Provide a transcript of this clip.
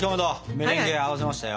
メレンゲも合わせましたよ。